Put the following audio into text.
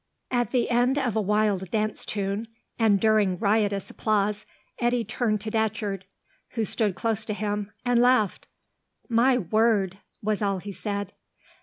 At the end of a wild dance tune, and during riotous applause, Eddy turned to Datcherd, who stood close to him, and laughed. "My word!" was all he said.